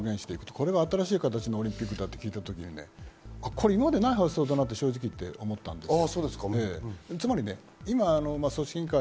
これが新しい形のオリンピックだと聞いて今までにない発想だなと正直思ったんですよ。